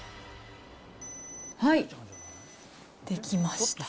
はい、出来ました。